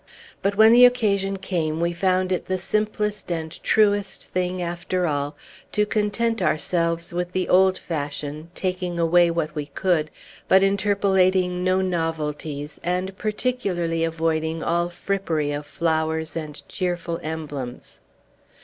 But when the occasion came we found it the simplest and truest thing, after all, to content ourselves with the old fashion, taking away what we could, but interpolating no novelties, and particularly avoiding all frippery of flowers and cheerful emblems.